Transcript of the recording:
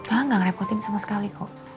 enggak gak ngerepotin sama sekali kok